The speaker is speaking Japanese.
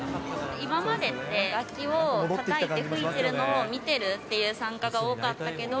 今までって、楽器をたたいて、吹いてるのを見てるっていう参加が多かったけど、